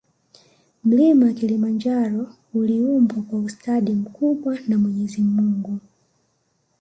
Mlima kilimanjaro uliumbwa kwa ustadi mkubwa wa mwenyezi mungu